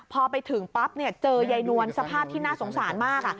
พอไปถึงปั๊บเจอยายนวลสภาพที่น่าสงสารมาก